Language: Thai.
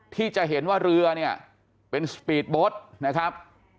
ที่จะเห็นว่าเรือเนี่ยเป็นนิมทีการเรียกจุดนะครับ